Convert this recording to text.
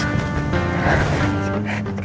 nah ini dia